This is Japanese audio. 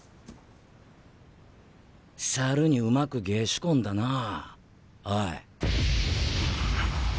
サルにうまく芸仕込んだなあオイ。